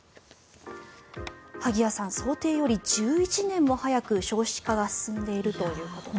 萩谷さん、想定より１１年も早く少子化が進んでいるということです。